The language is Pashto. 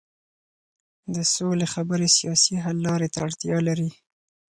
د سولې خبرې سیاسي حل لارې ته اړتیا لري